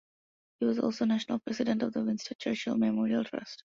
He was also National President of the Winston Churchill Memorial Trust.